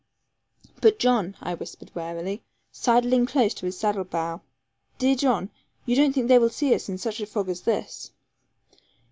'But, John,' I whispered warily, sidling close to his saddle bow; 'dear John, you don't think they will see us in such a fog as this?'